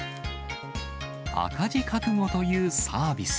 赤字覚悟というサービス。